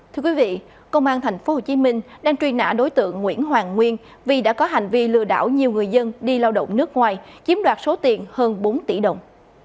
thưa quý vị công an tp hcm đang truy nã đối tượng nguyễn hoàng nguyên vì đã có hành vi lừa đảo nhiều người dân đi lao động nước ngoài chiếm đoạt số tiền hơn bốn tỷ đồng